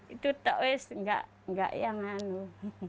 itu tak usah nggak yang ngaluh